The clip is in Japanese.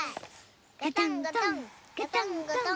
ガタンゴトンガタンゴトン。